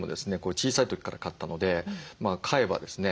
小さい時から飼ったので飼えばですね